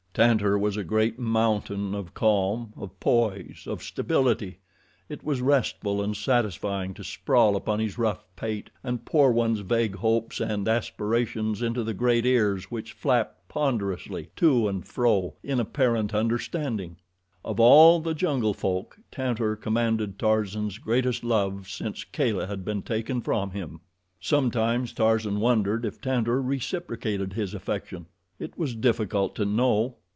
Tantor was a great mountain of calm, of poise, of stability. It was restful and satisfying to sprawl upon his rough pate and pour one's vague hopes and aspirations into the great ears which flapped ponderously to and fro in apparent understanding. Of all the jungle folk, Tantor commanded Tarzan's greatest love since Kala had been taken from him. Sometimes Tarzan wondered if Tantor reciprocated his affection. It was difficult to know.